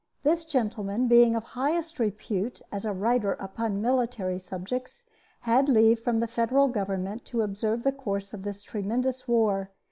This gentleman, being of the highest repute as a writer upon military subjects, had leave from the Federal government to observe the course of this tremendous war.